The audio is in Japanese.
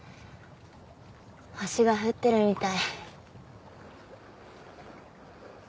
星が降ってるみたい。